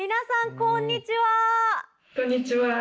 こんにちは。